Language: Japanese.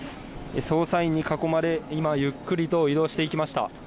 捜査員に囲まれ今、ゆっくりと移動していきました。